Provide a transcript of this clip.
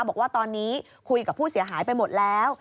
บอกว่าตอนนี้คุยกับผู้เสียหายไปหมดแล้ว